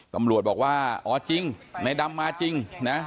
ตำรวจบอกว่าอ๋อจริงในดำมาจริงนะ